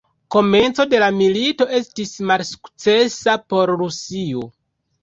Komenco de la milito estis malsukcesa por Rusio.